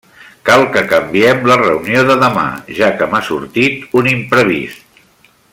Cal que canviem la reunió de demà, ja que m'ha sortit un imprevist.